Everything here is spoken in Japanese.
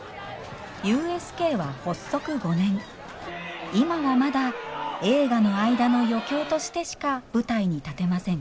ＵＳＫは発足５年今はまだ映画の間の余興としてしか舞台に立てません